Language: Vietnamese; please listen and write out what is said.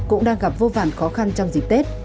cũng đang gặp vô vàn khó khăn trong dịp tết